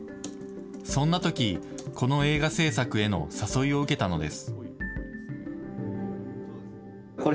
そんなとき、この映画製作への誘いを受けたのです。